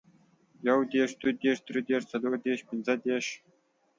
يو دېرش، دوه دېرش، دري دېرش ، څلور دېرش، پنځه دېرش،